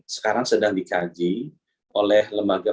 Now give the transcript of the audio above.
sekarang sedang dikaji oleh lembaga